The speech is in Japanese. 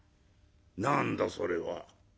「何だそれは。